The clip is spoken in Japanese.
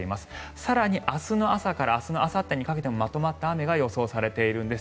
更に明日の朝からあさってにかけてもまとまった雨が予想されているんです。